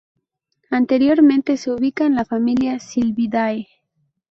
Anteriormente se ubicaba en la familia Sylviidae.